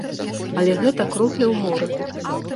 Але гэта кропля ў моры.